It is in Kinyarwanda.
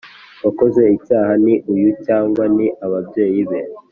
Wakoze icyaha ni uyu cyangwa ni ababyeyi be